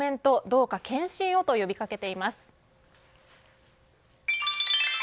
どうか検診をと呼びかけています。